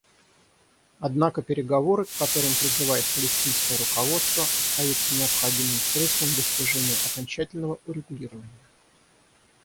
Однако переговоры, к которым призывает палестинское руководство, остаются необходимым средством достижения окончательного урегулирования.